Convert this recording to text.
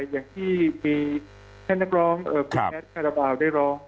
อย่างที่มีท่านนักร้องคุณแอดคาราบาลได้ร้อง